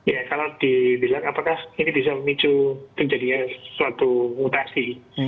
ya kalau dibilang apakah ini bisa memicu terjadinya suatu mutasi